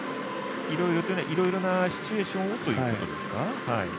いろいろなシチュエーションをということですか。